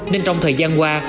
nên trong thời gian qua